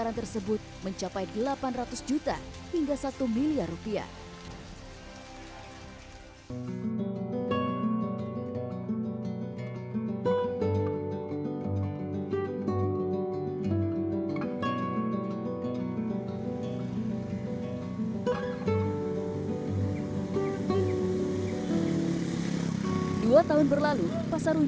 jit terpilih menjalankan tugas sebagai manajer unit usaha